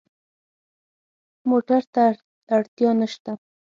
موټر ته اړتیا نه شته.